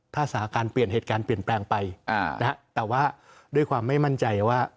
ถ้าสถานการณ์เปลี่ยนเหตุการณ์เปลี่ยนแปลงไปแต่ว่าด้วยความไม่มั่นใจว่า